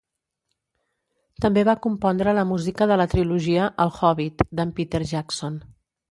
També va compondre la música de la trilogia "El Hobbit" d'en Peter Jackson.